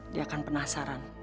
dia akan penasaran